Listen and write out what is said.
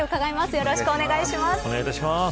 よろしくお願いします。